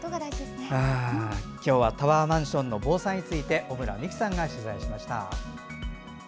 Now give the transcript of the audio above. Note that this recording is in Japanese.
今日はタワーマンションの防災について小村美記さんが取材しました。